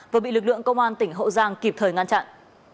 vừa bị lực lượng công an tỉnh hậu giang kịp thời ngăn chặn